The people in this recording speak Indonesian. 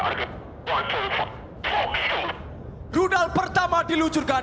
rudal pertama diluncurkan